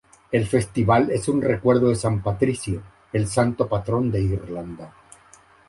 El festival es en recuerdo de San Patricio, el santo patrón de Irlanda.